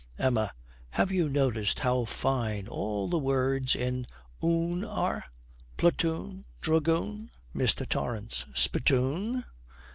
EMMA. 'Have you noticed how fine all the words in oon are? Platoon! Dragoon!' MR. TORRANCE. 'Spitoon!'